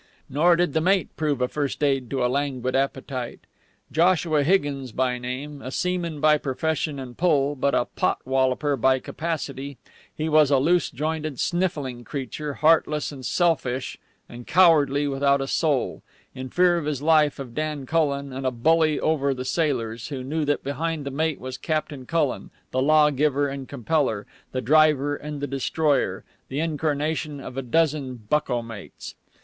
Nor did the mate prove a first aid to a languid appetite. Joshua Higgins by name, a seaman by profession and pull, but a pot wolloper by capacity, he was a loose jointed, sniffling creature, heartless and selfish and cowardly, without a soul, in fear of his life of Dan Cullen, and a bully over the sailors, who knew that behind the mate was Captain Cullen, the lawgiver and compeller, the driver and the destroyer, the incarnation of a dozen bucko mates.